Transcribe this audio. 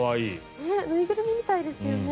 縫いぐるみみたいですね。